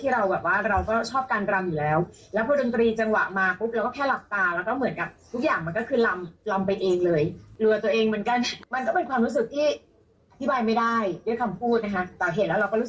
เราก็เชื่อว่านี่คือสิ่งศักดิ์สิทธิ์ในตัวเรานะคะ